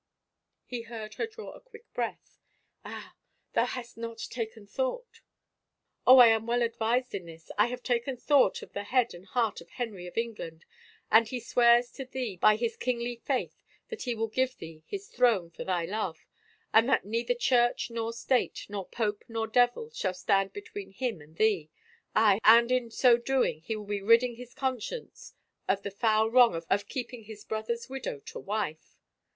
He heard her draw a quick breath. " Ah, thou hast not taken thought —"" Oh, I am well advised in this. I have taken thought of the head and heart of Henry of England and he swears to thee by his kingly faith that he will give thee his throne for thy love — and that neither church nor state nor pope nor devil shall stand between him and thee — aye, and in so doing he will be ridding his conscience of the foul wrong of keeping his brother's widow to wife